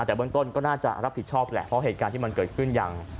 แต่เบื้องต้นก็น่าจะรับผิดชอบแหละเพราะเหตุการณ์ที่มันเกิดขึ้นอย่าง